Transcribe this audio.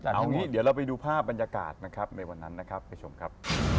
เอาอย่างนี้เดี๋ยวเราไปดูภาพบรรยากาศในวันนั้นไปชมครับ